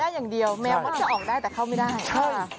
ออกได้อย่างเดียวแมวมันจะออกได้แต่เข้าไม่ได้